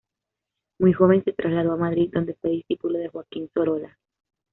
Muy joven se trasladó a Madrid, donde fue discípulo de Joaquín Sorolla.